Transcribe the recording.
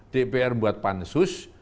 dpr buat pansus